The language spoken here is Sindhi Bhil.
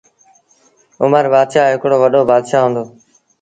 اُمر بآتشآه هڪڙو وڏو بآتشآه هُݩدو،